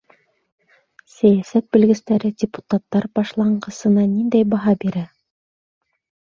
Сәйәсәт белгестәре депутаттар башланғысына ниндәй баһа бирә?